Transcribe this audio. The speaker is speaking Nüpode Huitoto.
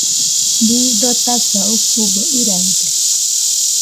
Buu dotaka ukube ɨraɨde